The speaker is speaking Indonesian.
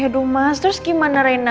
yaudah mas terus gimana reina